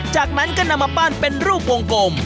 จากนั้นก็นำมาปั้นเป็นรูปวงกลม